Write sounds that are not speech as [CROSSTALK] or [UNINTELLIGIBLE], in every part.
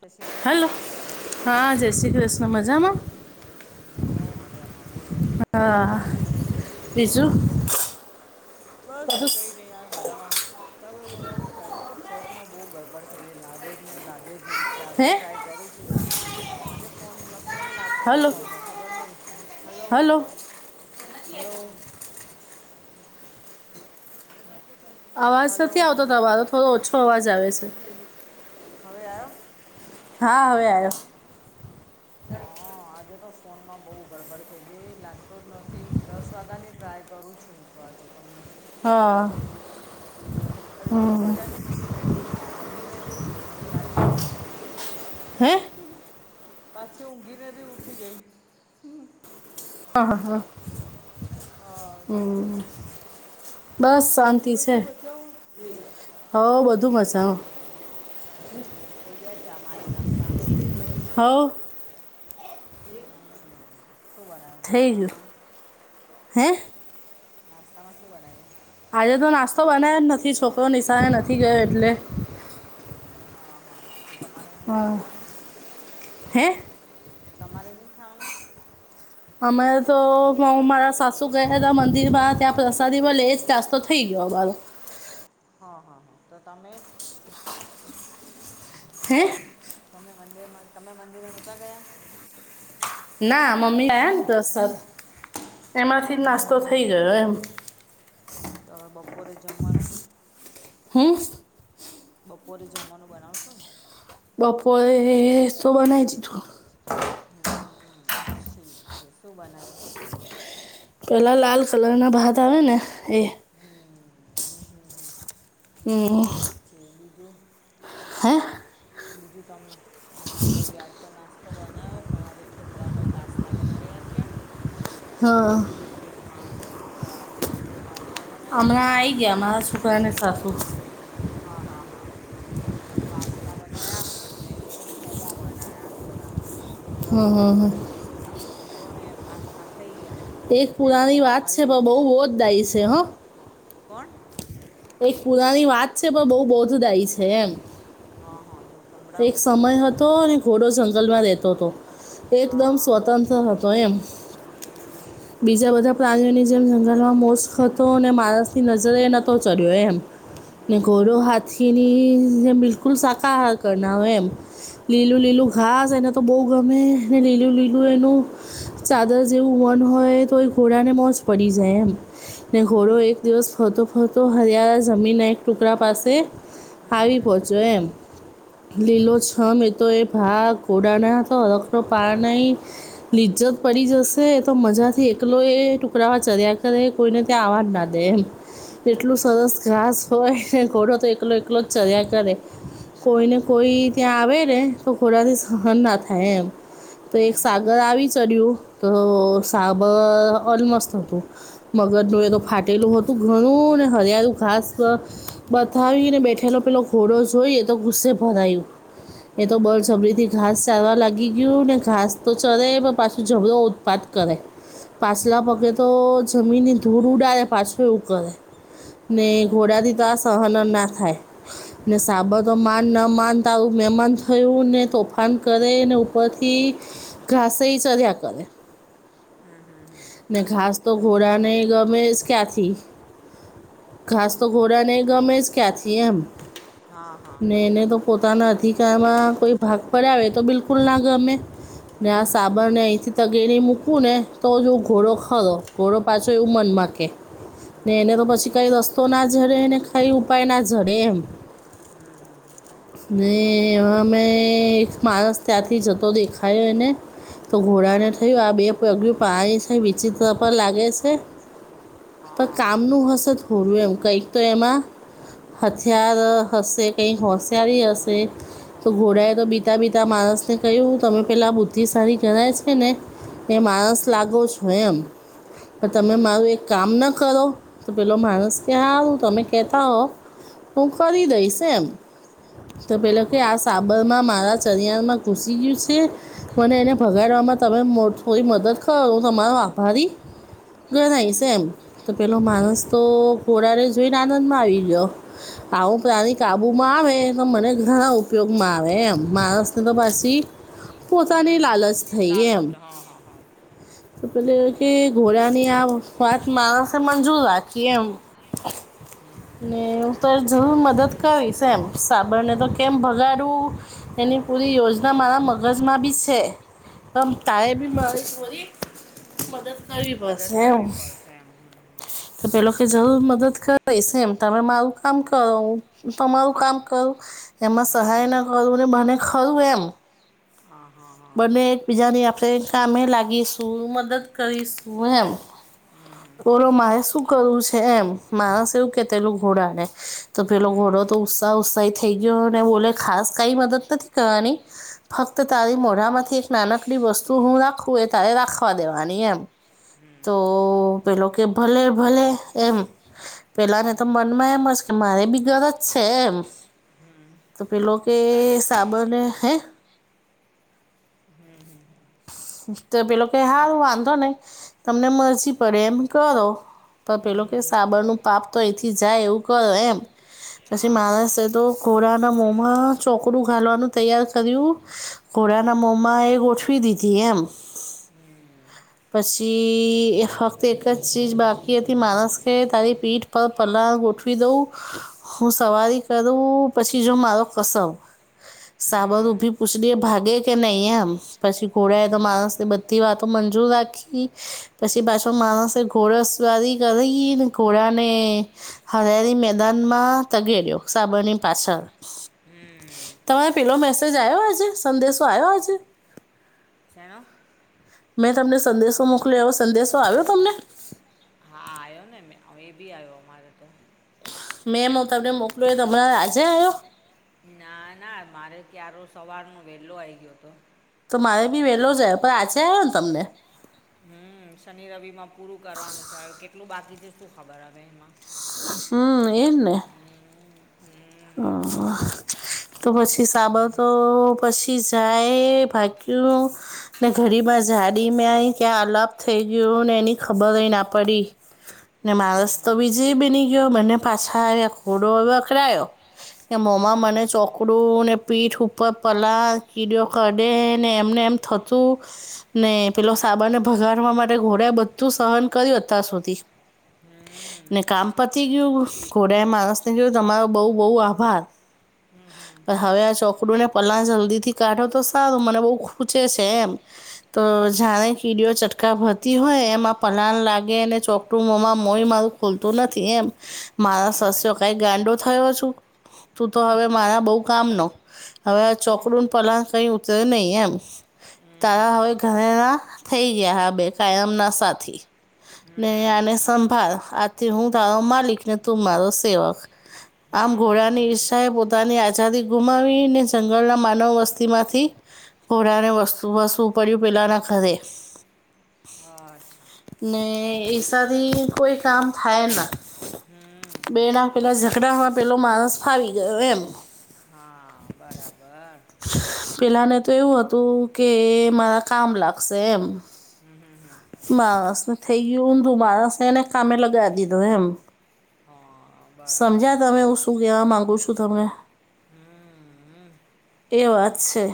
જય શ્રી હેલો કૃષ્ણ. હા જય શ્રી કૃષ્ણ મજામાં. હો મજામાં બોલો. હા બીજું બસ બધું કઈ સ- નહી યાર મજામાં. ત બો [UNINTELLIGIBLE] કાજે તો ખોતમાં બહુ ગડબડ થઈ ગાય લાગે જ નહીં લાગે જ નહી ચાલ હે ની ટ્રાય કરું છું આજે ફોન લ ફોન લાવ તો હલો નોટો ખબર નહી હલો હલો. અવાજ હલો નથી આવતો તમારો થોડો ઓછો અવાજ આવે છે. હવે આવ્યો. હા હવે આવ્યો હા આજે તો ફોનમાં બહુ ગડબડ થઈ ગઈ એ લાગતો જ નથી દસ વાગ્યાની ટ્રાય કરું છું. આપજકમમે હા. હજે દસ વાગ્યા ની ફ્રી બેઠી છું ઊંઘીને બી ઉઠી પાછી હે? પાછી ઊંઘીને બી ઉઠી ગઈ આા હા. હા બીજું. હમ. બસ બીજું શાંતિ છે. બધું મજાઓ હ શાંતિ છે બધું મસા! હેગિયા ચા પાણી નાસ્તા હા. શું બનાયુ થઈ નાસ્તા ગયું માં. હે? નાસ્તા માં શું બનાયુ? આજે તો નાસ્તો બનાવ્યો જ નથી છોકરો નિશાળે નથી ગયો એટલે. હા હા હા તો તમારે નહી હા જમવાનું. હે તમારે નઈ ખાવાનું અમારે તો મારા સાસુ ગયા હતા મંદિરમાં ત્યાં પ્રસાદી મલે એજ તો થઈ ગયો મારો. હા હા હા તો તમે. હે? તમે મંદિર માં તમે મંદિર નતા ગયા? ના મમ્મી આવ્યા ને દસ સાત એમાંથી જ નાસ્તો હમ થઈ હમ ગયો એમ તો બપોરે જમવાનું હમ બપોરે જમવાનું બનાવશો ને બપોરે શું બનાવી દીધું હમ ઠીક છે શું બનાવ્યું પેલા લાલ કલર ના ભાત આવે ને એ હમ હ હ હ હમ હમ બીજું? હે બીજું તમે અને અમેબી આજકાલ નાસ્તો બનાવ્યો સવારે છોકરાઓને પાસ્તા બનાવી આપ્યા હા સવારનો નાસ્તો પાસ્તા બનાવ્યા ને હું અને સાસુ હા હા હા પાસ્તા બનાવ્યા અને પૌવા બનાવ્યા થોડા છોકરાઓ હમ તો હમ હમ. સવારે સોજીનો શીરો ને પાસ્તા ખાઈ ગયા એક ને પુરાની વાત ડબ્બામાં છે લઈ પણ બહુ ગયા બોધદાયી છે હા કોણ એક પુરાની વાત છે પણ બહુ બોધદાયી છે એમ હા હા તો એક સંભળાવો સમય હતો અને ઘોડો જંગલમાં રહેતો હતો. એકદમ સ્વતંત્ર હતો એમ હમ્મ બીજા બધા પ્રાણીઓની જેમ જંગલમાં મોસ્ક હતો અને માણસની નજરે નહોતો ચડ્યો એમ ને ઘોડો હાથીની બિલકુલ શાકાહાર કર ના હોય એમ લીલું લીલું ઘાસ એને તો બહુ ગમે લીલું લીલું એનું ચાદર જેવું વન હોય તો એ ઘોડાને મોજ પડી જાય એમ ને ઘોડો એક દિવસ ફરતો ફરતો હરિયાળા જમીનના એક ટુકડા પાસે આવી પહોચો એમ લીલો છમ એતો એ ભાગ ઘોડાના તો હરખ નો પાર નહી. લિજ્જત પડી જશે તો મજા થી એકલો એ ટુકડાવા ચર્યા કરે કોઈને ત્યાં આવવાજ ના દે એમ એટલું સરસ ઘાસ હોય ને ઘોડો તો એકલો એકલો ચર્યા કરે કોઈને કોઈ ત્યાં આવે ને તો ઘોડાથી સહન ના થાય એમ તો એક સાગર આવી ચડ્યું તો સાગર અલમસ્ત હતું. મગરનું એ તો ફાટેલું હતું ઘણું ને હરિયાળું ઘાસ બતાવીને બેઠેલો પેલો ઘોડો જોઈએ તો ગુસ્સે ભરાયું એ તો બળ હમ જબરીથી ઘાસ ચારવા લાગી ગયું ને ઘાસ તો ચરે પણ પાછું જબરોો ઉત્પાદ કરે. પાછલા પગે હા હા તો જમીનની ધૂર ઉડડે પાછવે ઉકળે. ને ઘોડાથી તો આ સહન ના થાય ને સાબતોમાં. માન ન માનતા આવું મહેમાન થયું ને તોફાન કરે ને ઉપરથી ઘાસાઈ ચધ્યા કરે. હમ હમ હમ. ઘાસ તો ઘોડા નહીં ગ મેં ક્યાથી ઘાસ તો ઘોડા નહી ગમેઝ ક્યાથીએ હમ. હા હા. એને તો પોતાના અધિકારમાં કોઈ ભાગ પડ આવે તો બિલકુલ ના ગમે ને આ હમ સાબણને અહીંથી તગેની મૂકવું ને તો જો ઘોડો ખરો. ઘોડો પાછો એવું મનમાંગે ને હમ હમ હમ એને તો પછી કાઈ રસ્તો ના ઝડે ને કાઈ ઉપાય ના ઝડે એમ હમ હમ હમ. ને અમે એક માણસ ત્યાંથી જતો દેખાયો એને તો ઘોડા ને હા હા થયું, આ બે પગિયું પાણી થી વિચિત્ર પર લાગે છે. પણ હા હા કામનું હશે થોડું, એમ કંઈક તો એમાં હથિયાર હશે. કે હોશિયારી હશે. તો ઘોડાએ હમ તો બીતા હમ બીતા માણસને કહ્યું તમે પેલા આ બુદ્ધિ સારી કરાય છે ને એ માણસ હમ લાગો છો એમ. હમ પણ તમે હમ હમ મારું એક કામ ના કરો તો પેલો માણસ હમ કે સારું તમે કેતા હોવ હું ખરી દઈશ એમ તો પેલો હા કે હા આ સાબરમાં મારા ચરિયાણમાં ઘુસી ગયું છે. મને એને ભગાડવામાં તમે થોડી મદદ કરો હું તમારો આભારી ગણાય છે એમ તો પેલો માણસ તો ઘોડારે જોઈને આનંદ માં આવી ગયો. આવું કે, આવી કે. આબુમાં આવે તો મને ઘણા ઉપયોગમાં આવે એમ માણસને તો પછી પોતાની લાલચ હમ થઈ એમ. લાલચ હા હા હા તો પેલે એ કે, ઘોડા ની આ વાત માણસે મંજૂર રાખીએ એમ. હમ તો જ મદદ કંઈશ એમ, સાબણને તો કેમ ભગાડું? એની પૂરી યોજના મારા મગજમાં બી છે. પણ તહે ટાઈમ પાસ બી હા મારી મદદ કરીવી મદદ બસ, હ કરવી હ. પડશે એમ હમ તો પેલો જરૂર મદદ કરી છે એમ, તમે મારું કામ કરો. તમારું કામ કરું એમાં સહાય ના હમ કરું, અને મને ખરું એમ? હા હા હા બને. બીજાની આપણે કામે લાગીશું, મદદ કરીશું એમ. હમ હમ ઓલો, મારે શું કરવું છે એમ માણસ એવું કેટલું ઘોડાને પેલો હમ ઘોડો તો ઉત્સાહ ઉત્સાહી થઈ ગયો ને બોલે, ખાસ કંઈ મદદ નથી કરવાની. ફક્ત તારી મોઢામાંથી એક નાનકડી વસ્તુ હું રાખું, એય તારે રાખવા દેવાની એમ. હમ તો પેલો કે, ભલે ભલે એમ. પેલા ને તો મન માં એમ જ કે, મારે બી ગરજ છે એમ તો, પેલો કે, ચાલે સાબણ હે હમ, હમ. તો પેલો કે, હારુ, વાંધો નઈ. તમને મરજી પડે એમ કરો. પણ પેલો કે, હમ સાબણનું પાપ તો અહીંથી જાય એવું કે એમ. પછી હા માણસે તો ઘોડાના મોમાં ચોકડું ઘાલવાનું તૈયાર કર્યું. ઘોડાના મોં માં એ ગોઠવી દીધી એમ. હમ પછી એ ફક્ત એક જ ચીજ બાકી હતી, માણસ કે તારી પીઠ પણ પલાંગ ગોઠવી દઉં. હું સવારી કરું પછી, જો મારો કસમ. સાબર હમ ઊભી પૂછડી એ ભાગે કે નહીં એમ, પછી હમ ઘોડાય તો માણસ બધી વાતો પણ ઓ આખી. પછી પાછો માણસે ઘોડા સવારી કરી ને ઘોડાને. હરિયાળી મેદાનમાં તગેડ્યો સાબરની પાછળ. હમ તમારે પેલો મેસેજ આવ્યો? આજે સંદેશો આવ્યો આજે? છે ને. મેં તમને સંદેશો મોકલ્યો, એ સંદેશો આવ્યો તમને? હા, આવ્યો ને. એ બી આવ્યો મારે તો. મેમ, હું તમને મોકલું તો, હમણાં આજે આવ્યો? ના ના, મારે ત્યારે સવાર નો વહેલો આવી ગયો હતો. તો મારે બી વહેલો જાય, પણ આજે આવ્યો ને તમને? હમ શનિ-રવિમાં પૂરું કરવાનું છે. હવે કેટલું બાકી છે, શું ખબર હ એમાં? હમ, એમ ને. હમ, હમ, હમ, હમ, [UNINTELLIGIBLE] તો પછી સાબળતો પછી જાય ભાગ્યું ને ઘરીમાં જાડી મેય ક્યાં આલાપ થઈ ગયયો ને એની ખબર ના પડી. ને હમ, હમ, હમ, માણસ તો બીજે બની ગયો, મને પાછાયા ખોડો હ વખડાયો. કે મોમા મને ચોકડું, ને પીઠ ઉપર પલાણ કીડયો કાઢે ને, એમને એમ થયું. ચો. ને પેલો સાબાને ભગાડવા માટે, ઘોડ્યા બધું સહન કર્યું અત્યાર સુધી. હમ, ને કામ પથી ગયું ઘોડા એ માણસ ને ગયો તમારો બઉ બહુ આભાર [UNINTELLIGIBLE] પણ હવે આ છોકડું ને પલા જલ્દી થી કાઢો તો સારું મને બહુ ખૂચે છે એમ તો જાણે કીડીઓ ચટકા ભતી હોય એમાં પલાન લાગે અને ચોકટું મોમાં મોઈ મારું ખૂલતું નથી એમ મારા સસ્યો કંઈક ગાંડો થયો છે. તું તો હવે મારા બઉ કામ નો હવે આ ચોકડું ન પલાંગ કઈ ઉતરે નહી એમ તારા હવે ઘરેણા થઈ ગયા હા બે કાયમના સાથી ને આને સંભાળ આથી હું તારો માલિક ને તું મારો સેવક હમ, હમ, આમ હમ, ઘોડાની હમ. ઈર્ષાએ પોતાની આઝાદી ગુમાવીને જંગલના માનવ વસ્તીમાંથી પુરાણે વસવુ પડ્યુ પલાં ના ઘરે હા અચ્છા ને એસાથી કોઈ કામ થાય ના હમ બે ના પેલા ઝઘડામાં પેલો માણસ ફાવી ગયો એમ હા બરાબર પેલાને તો એવું હતું કે મારા કામ લાગશે એમ હમ હમ હમ માણસ ને થઈ ગયું તું માણસ એને કામે લગાવ દીધો એમ હા બરાબર સમજા તમે હું શું કહેવા માંગુ છું તને હમ હમ એ વાત છે.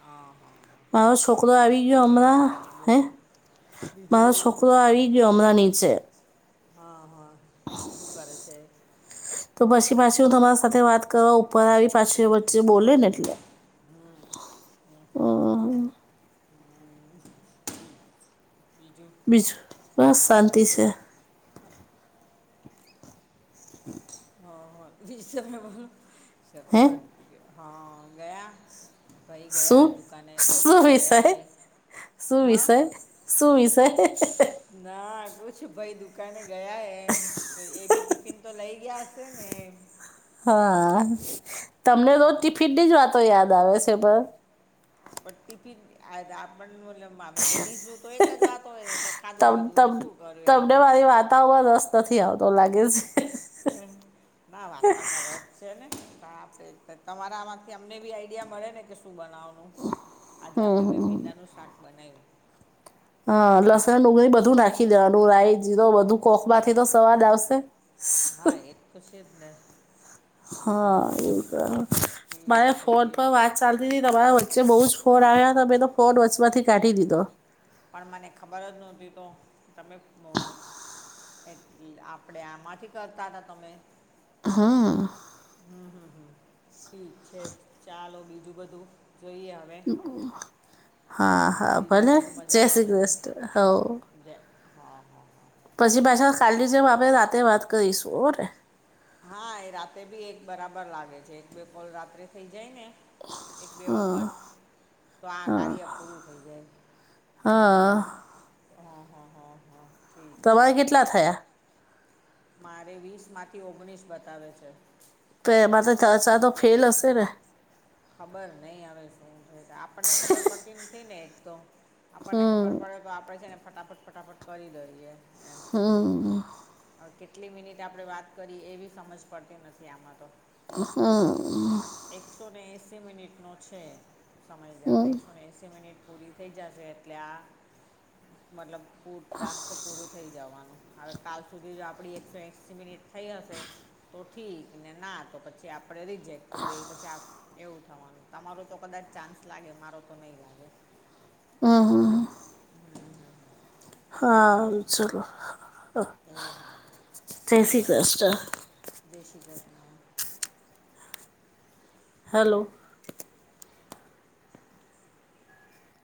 હા હા મારો હા છોકરો હવે આવી ગયો બીજું હમણાં તમે હે બોલો બીજું મારો બોલો છોકરો આવીયો અમણા નીચે હા હા શું કરે છે? તો પછી પાછી હું તમારા સાથે વાત કરવા ઉપર આવી પાછી વચ્ચે બોલે ને એટલે હા. હમ હમ. બીજું બીજું બસ શાંતિ છે. હમ. [UNINTELLIGIBLE] હે ભાઈ ગયા શું દુકાને શું દુકાને ગયા વિષય ભાઈ શું હા વિષય શું વિશે ના પુછ ભાઈ દુકાને ગયા એમ તો એ બી ટિફિન તો લઇ ગયા ને. હા તમને તોજ હા ટિફિટની જ વાતો યાદ આવે છે પર. [UNINTELLIGIBLE] એ લેડીઝ નું તો એક જ વાત હોય ને કે ખાધું તમ પીધું તમ ને શું કર્યું એમ તમને [UNINTELLIGIBLE] હ. ના વાર્તામાં રસ છે નેે તમારામાંથી અમને બી આઈડિયા મળે ને કે શું બનાવો [UNINTELLIGIBLE] આજે હમ અમે હમ. ભી ભિન્ડાનું શાટ બનાયું. હા, લસણ, ડુંગરી બધું નાખી દેવાનું, રાય બધું કોક માંથી તો સવાદ આવશે. હા, એતો છેજ ને હા, હં હં એવું કરવાનું ઠીક મારે છે ફોન બી પર વાત પા સાલથી તમારા વચ્ચે બહુ જ ફોર આવ્યા ત મેમે તો ફોન વચમાંથી કાઢી દીધો. પણ મને ખબર જ નહોતી તો તમે એટલે આપણેે આમાંથી કરતા હતા તમે. હા. હમ હમ હમ ઠીક છે ચાલો બીજું બધું જોઈએ હા બીજું ભલે બધું જય મજામા શ્રી ને કૃષ્ણ હો જ હા હા. હા પછી પાછા કાલીની જેમ આપડે રાતે વાત કરીશું હને હા, એ રાતે બી એક બરાબર લાગે છે, એક બે ફોન રાત્રે થઇ જાય ને. એક બે વખત. તો આ કાર્ય પૂરું થઈ જાય, હા. હા હા હા હા. છે તમારે કેટલા થયા? મારે વીસ માંથી ઓગણીસ બતાવે છે. તો એમાં તો છ સાત તો ફેલ હશે ને? ખબર નહી હવે શું છે, આપણને ખબર પડતી નથી ને એક તો. આપણને ખબર પડે તો આપડે છે ને ફટાફટ ફટાફટ કરી દઈએ એમ. હમ્મ. હવે કેટલી મિનિટ આપણે વાત કરી એ બી સમજ પડતી નથી આમાં તો. હા. એકસો ને એસી મિનિટ નો છે સમય ગારો એકસો ને એસી મિનિટ. પૂરી થઈ જશે એટલે આ મતલબ પૂર ટાસ્ક. પૂરું થઈ જવાનું હવે. કાલ સુધી જો આપણી એકસો એસી મિનિટ થઈ હશે તો ઠીક ને ના તો પછી પછ આપડે રિજેક્ટ બે પછી. એવું થવાનું, તમારું તો કદાચ ચાન્સ લાગે મારો તો નહીં લાગે. હમ્મ. ઠીક હા, ચાલો. એ હા. જય શ્રી કૃષ્ણ. જય શ્રી કૃષ્ણ. હેલો